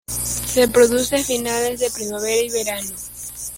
Se produce a finales de primavera y verano.